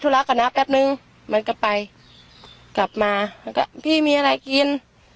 ธุระก่อนนะแป๊บหนึ่งมันก็ไปกลับมาพี่มีอะไรกิน